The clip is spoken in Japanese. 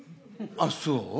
あっそう？